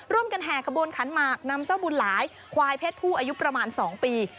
แห่ขบวนขันหมากนำเจ้าบุญหลายควายเพศผู้อายุประมาณ๒ปี